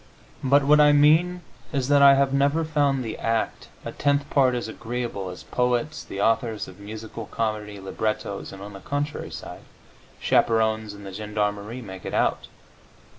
But what I mean is that I have never found the act a tenth part as agreeable as poets, the authors of musical comedy librettos, and (on the contrary side) chaperones and the gendarmerie make it out.